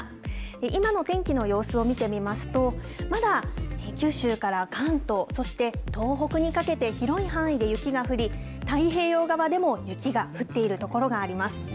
今の天気の様子を見てみますと、まだ九州から関東、そして東北にかけて広い範囲で雪が降り、太平洋側でも雪が降っている所があります。